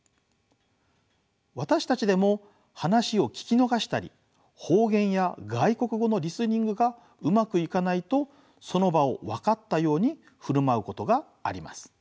私たちでも話を聞き逃したり方言や外国語のリスニングがうまくいかないとその場をわかったように振る舞うことがあります。